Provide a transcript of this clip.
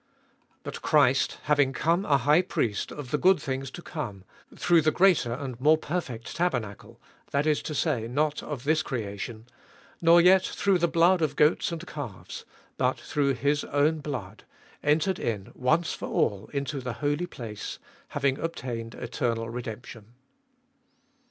But Christ having come a High Priest of the good things to come, through the greater and more perfect tabernacle, that is to say, not of this creation, 12. Nor yet through the blood of goats and calves, but through his own blood, entered in once for all into the Holy Place, having obtained eternal redemption.